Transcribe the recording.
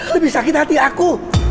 lebih sakit hati aku